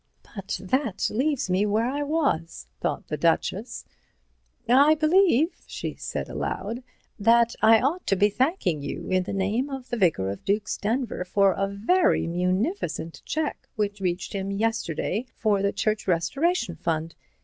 "But that leaves me where I was," thought the Duchess. "I believe," she said aloud, "that I ought to be thanking you in the name of the vicar of Duke's Denver for a very munificent cheque which reached him yesterday for the Church Restoration Fund.